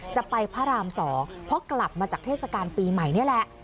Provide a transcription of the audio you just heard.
จะไปพระราม๒เพราะกลับมาจากเทศกาลปีใหม่นี่แหละ